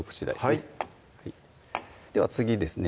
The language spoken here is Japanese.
はいでは次ですね